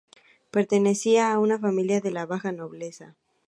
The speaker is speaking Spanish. Pertenecía a una familia de la baja nobleza.